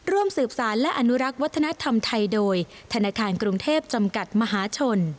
ร่วมสืบสารและอนุรักษ์วัฒนธรรมไทยโดยธนาคารกรุงเทพจำกัดมหาชน